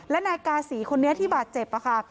และนายกาศีคนนี้ที่บาดเจ็บค่ะ